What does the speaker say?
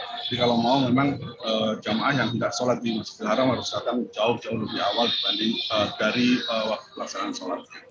jadi kalau mau memang jemaah yang tidak sholat di masjid haram harus datang jauh jauh lebih awal dibanding dari waktu pelaksanaan sholat